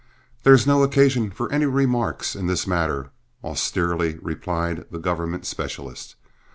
"There is no occasion for any remarks in this matter," austerely replied the government specialist.